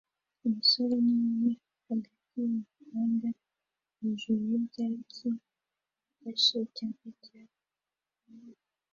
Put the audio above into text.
Umusore n'inkumi hagati yumuhanda hejuru yibyatsi bifashe icyapa cya Huckabee